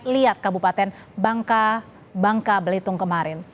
lihat kabupaten bangka bangka belitung kemarin